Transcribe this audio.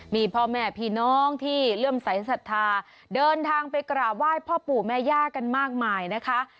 มีพ่อแม่พี่น้องที่เลื่อมใสสัทธาเดินทางไปกราบไหว้พ่อปู่แม่ย่ากันมากมายนะคะ